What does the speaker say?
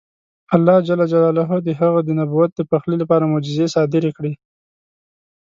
الله جل جلاله د هغه د نبوت د پخلي لپاره معجزې صادرې کړې.